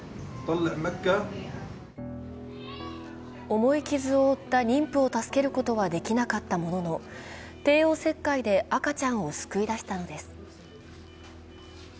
重い傷を負った妊婦を助けることはできなかったものの、帝王切開で赤ちゃんを救い出したのです。